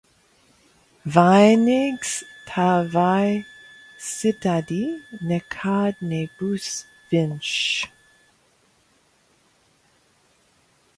Vainīgs, tā vai citādi, nekad nebūs viņš.